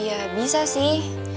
ya bisa sih